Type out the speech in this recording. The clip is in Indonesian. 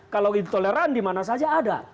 kalau intoleran dimana saja ada